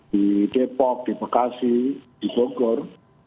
di depok di bekasi di bogor